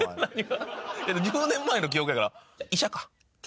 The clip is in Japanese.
１０年前の記憶やから。